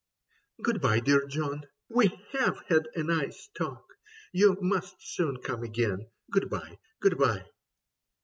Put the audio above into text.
. Good bye, dear John. We have had a nice talk. You must soon come again. Good bye, good bye.